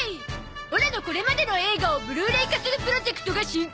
オラのこれまでの映画をブルーレイ化するプロジェクトが進行中